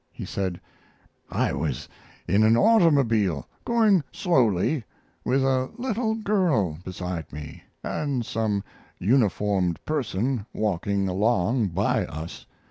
He said: "I was in an automobile going slowly, with 'a little girl beside me, and some uniformed person walking along by us.